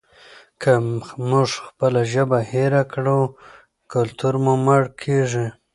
که موږ خپله ژبه هېره کړو کلتور مو مړ کیږي.